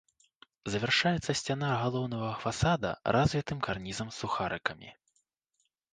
Завяршаецца сцяна галоўнага фасада развітым карнізам з сухарыкамі.